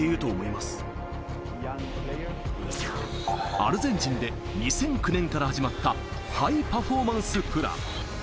アルゼンチンで２００９年から始まった、ハイパフォーマンスプラン。